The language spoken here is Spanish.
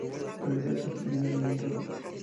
Parecía estar bien alimentado.